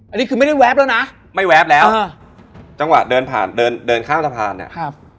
อันนี้คือไม่ได้แวบแล้วนะไม่แวบแล้วอ่าจังหวะเดินผ่านเดินเดินข้ามสะพานเนี่ยครับ